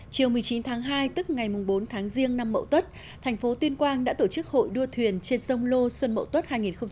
chiều một mươi chín tháng hai tức ngày bốn tháng riêng năm mậu tốt thành phố tuyên quang đã tổ chức hội đua thuyền trên sông lô xuân mậu tốt hai nghìn một mươi tám